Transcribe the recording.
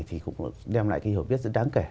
thì cũng đem lại cái hiểu biết rất đáng kể